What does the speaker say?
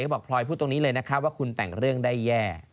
บอกพลอยพูดตรงนี้เลยนะคะว่าคุณแต่งเรื่องได้แย่